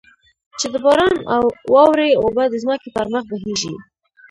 چې د باران او واورې اوبه د ځمکې پر مخ بهېږي.